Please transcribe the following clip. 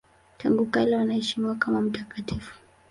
Tangu kale wanaheshimiwa kama mtakatifu.